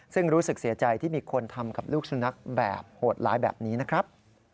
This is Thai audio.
ซึ่งรู้สึกเสียใจที่มีคนทำกับลูกสุนัขแบบโหดร้ายแบบนี้นะครับ